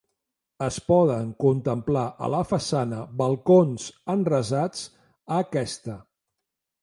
Es poden contemplar a la façana balcons enrasats a aquesta.